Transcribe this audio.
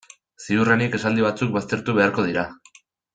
Ziurrenik esaldi batzuk baztertu beharko dira.